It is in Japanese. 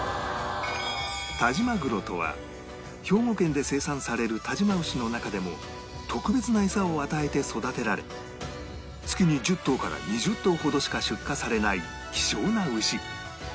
但馬玄とは兵庫県で生産される但馬牛の中でも特別な餌を与えて育てられ月に１０頭から２０頭ほどしか出荷されない希少な牛